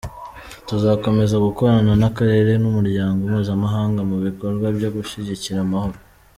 Tuzakomeza gukorana n’Akarere n’umuryango mpuzamahanga mu bikorwa byo gushyigikira amahoro.